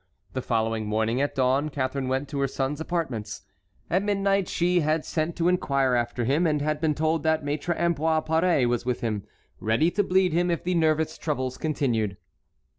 The following morning at dawn Catharine went to her son's apartments. At midnight she had sent to inquire after him, and had been told that Maître Ambroise Paré was with him, ready to bleed him if the nervous troubles continued.